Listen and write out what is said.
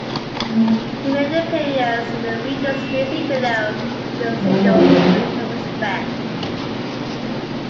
He made an appearance in Wheatus's Music Video for their single "A Little Respect".